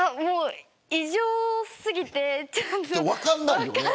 異常過ぎて分からない。